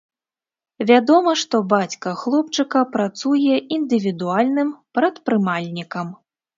Вядома, што бацька хлопчыка працуе індывідуальным прадпрымальнікам.